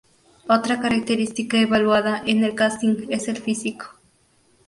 Otra característica evaluada en el casting es el físico.